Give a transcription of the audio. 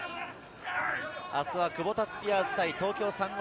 明日はクボタスピアーズ対東京サンゴ